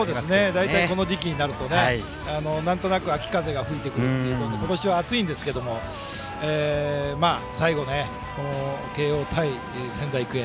大体この時期になるとなんとなく秋風が吹いてくるということで今年は暑いんですけれども最後、慶応対仙台育英。